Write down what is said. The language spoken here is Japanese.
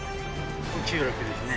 集落ですね。